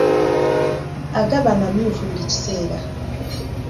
Agaba amamyufu buli kiseera.